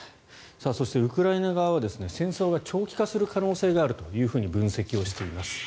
そして、ウクライナ側は戦争が長期化する可能性があると分析をしています。